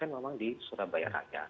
memang di surabaya raja